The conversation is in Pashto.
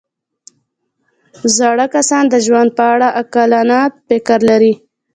زاړه کسان د ژوند په اړه عاقلانه فکر لري